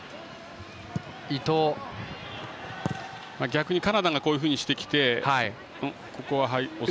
逆にカナダがこういうふうにしてきて。